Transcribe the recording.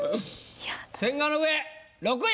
千賀の上６位。